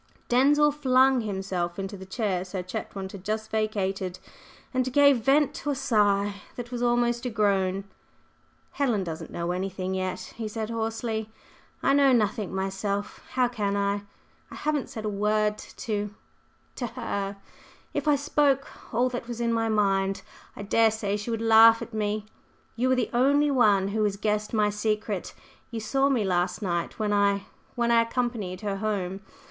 Denzil flung himself into the chair Sir Chetwynd had just vacated, and gave vent to a sigh that was almost a groan. "Helen doesn't know anything yet," he said hoarsely. "I know nothing myself; how can I? I haven't said a word to to her. If I spoke all that was in my mind, I daresay she would laugh at me. You are the only one who has guessed my secret. You saw me last night when I when I accompanied her home.